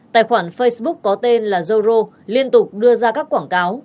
tài khoản facebook có tên là zero liên tục đưa ra các quảng cáo